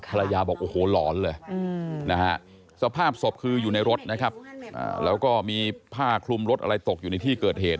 ภรรยาบอกโอ้โหหลอนเลยนะฮะสภาพศพคืออยู่ในรถนะครับแล้วก็มีผ้าคลุมรถอะไรตกอยู่ในที่เกิดเหตุ